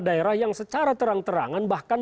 daerah yang secara terang terangan bahkan